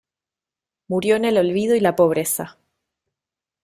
Murió en el olvido y la pobreza.